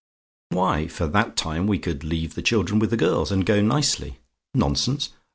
"Why, for that time we could leave the children with the girls, and go nicely. "NONSENSE?